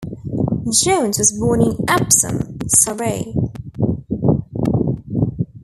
Johns was born in Epsom, Surrey.